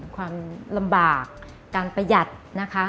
ความลำบากการประหยัดนะคะ